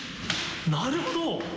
なるほど。